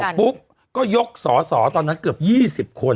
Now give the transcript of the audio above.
ปุ๊บก็ยกสอสอตอนนั้นเกือบ๒๐คน